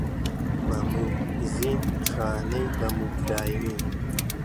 مەم و زینی خانی بە موکریانی